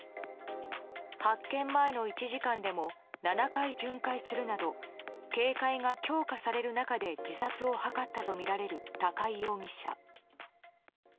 発見前の１時間でも７回巡回するなど警戒が強化される中で自殺を図ったとみられる高井容疑者。